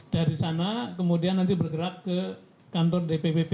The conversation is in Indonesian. dari sana kemudian nanti bergerak ke kantor dpp